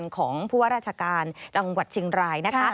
ของผู้ว่าราชการจังหวัดเชียงรายนะคะ